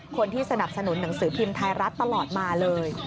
สนับสนุนหนังสือพิมพ์ไทยรัฐตลอดมาเลย